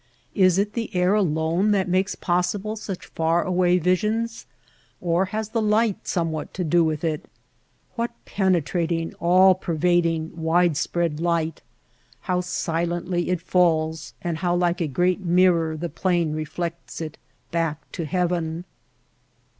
Is it the air alone that makes possible such far away visions, or has the light somewhat to do with it ? What penetrating, all pervad ing, wide spread light ! How silently it falls and how like a great mirror the plain reflects it back to heaven